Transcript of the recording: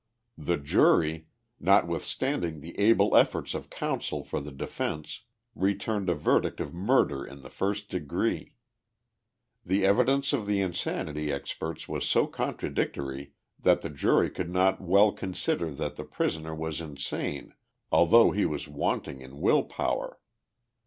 The jury, notwithstanding the able efforts of counsel for the defence, returned a verdict of murder in the first degree. The ev idence of the insanity experts was so contradictory that the jury could not well consider that the prisoner was insane although he was wanting in will power.